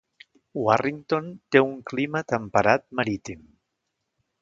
Warrington té un clima temperat marítim.